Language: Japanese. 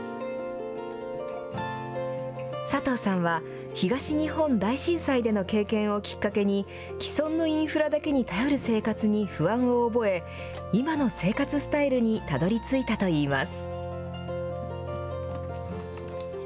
サトウさんは東日本大震災での経験をきっかけに、既存のインフラだけに頼る生活に不安を覚え、今の生活スタイルにたどりついたといいます。